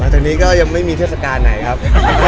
จากนี้ก็ยังไม่มีเทศกาลไหนครับ